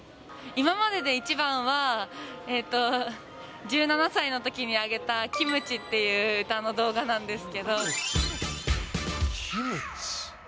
今までで一番は、１７歳のときに上げた、キムチっていう歌の動画なんですけど。